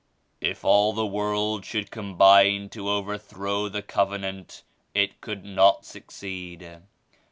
" "If all the world should combine to overthrow the Covenant, it could not succeed.